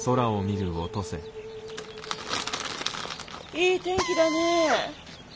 いい天気だねえ。